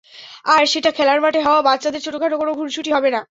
আর সেটা খেলার মাঠে হওয়া বাচ্চাদের ছোটখাটো কোনো খুনসুটি হবে না।